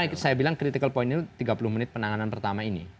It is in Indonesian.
makanya saya bilang critical point ini tiga puluh menit penanganan pertama ini